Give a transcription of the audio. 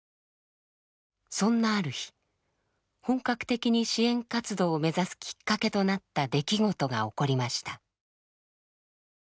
そんなある日本格的に支援活動を目指すきっかけとなった出来事が起こりました。